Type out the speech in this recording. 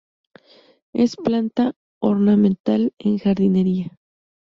Es planta ornamental en jardinería.